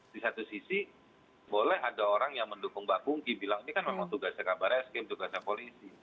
di satu sisi boleh ada orang yang mendukung mbak pungki bilang ini kan memang tugasnya kabar eskrim tugasnya polisi